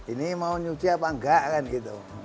ini mau nyuci apa enggak kan gitu